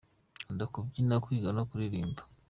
Nkunda kubyina, kwiga no kuririmba.